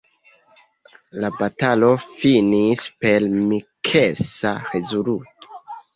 La batalo finis per miksa rezulto.